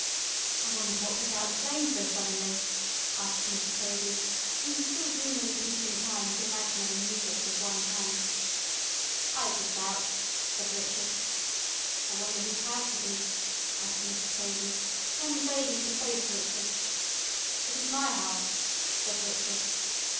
"I wonder what put out the flame so suddenly?" asked Mr. Tovey, who was still dreamily beating time to imaginary music with one hand. "I put it out," said Richard. "I wonder whose house it is?" added Mr. Tovey, turning vaguely to face Richard. "It is my house," said Richard.